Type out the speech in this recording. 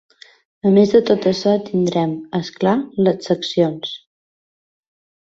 A més de tot això tindrem, és clar, les seccions.